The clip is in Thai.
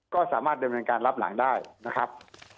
ก็สามารถดำเนินการรับหลังได้นะครับ